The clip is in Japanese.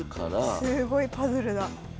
すごいパズルだ